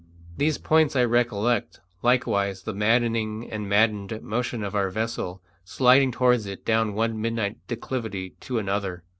These points I recollect; likewise the maddening and maddened motion of our vessel, sliding towards it down one midnight declivity to another.